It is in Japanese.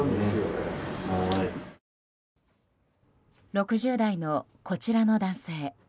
６０代のこちらの男性。